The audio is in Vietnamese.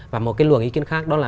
và một cái luồng ý kiến khác đó là